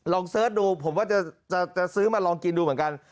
เสิร์ชดูผมว่าจะซื้อมาลองกินดูเหมือนกัน